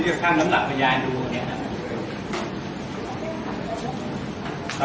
พอวันนี้ทางสำหรับมัญญาณดูนะครับ